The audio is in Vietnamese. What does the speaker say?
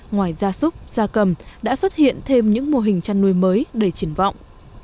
ngoài gia súc gia cầm đã xuất hiện thêm những mô hình chăn nuôi mới đầy triển vọng